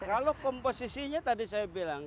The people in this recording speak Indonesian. kalau komposisinya tadi saya bilang